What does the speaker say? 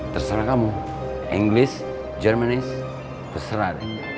terserah kamu inggris jermanis terserah deh